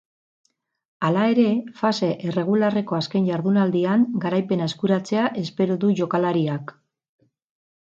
Hala ere, fase erregularreko azken jardunaldian garaipena eskuratzea espero du jokalariak.